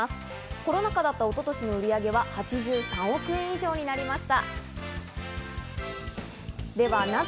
コロナ禍だった一昨年の売り上げは８３億円以上になりました。